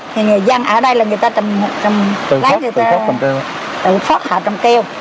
thì người dân ở đây là người ta trồng lấy người ta trồng phót họ trong keo